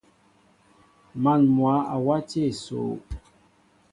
Man mwă a wati esoo.